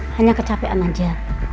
hanya kecapean aja